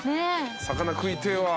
魚食いてえわ。